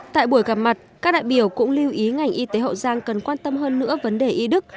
tại buổi gặp mặt các đại biểu cũng lưu ý ngành y tế hậu giang cần quan tâm hơn nữa vấn đề y đức